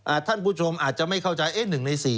อ่าท่านผู้ชมอาจจะไม่เข้าใจ๑ใน๔